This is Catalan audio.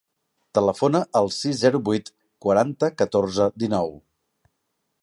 Telefona al sis, zero, vuit, quaranta, catorze, dinou.